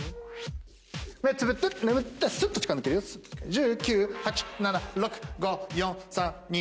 １０９８７６５４３２１０。